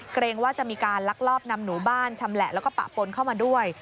เกรงว่าจะมีการลักลอบนำหนูบ้านชำแหละแล้วก็ปะปนเข้ามาด้วย